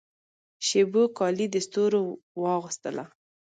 شېبو کالي د ستورو واغوستله